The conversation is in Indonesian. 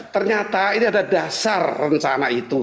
ternyata ini ada dasar rencana itu